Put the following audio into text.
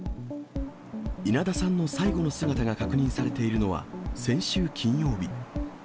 稲田さんの最後の姿が確認されているのは、先週金曜日。